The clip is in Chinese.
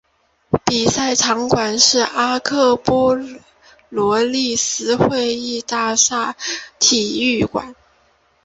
比赛场馆是阿克罗波利斯会议大厦体育馆。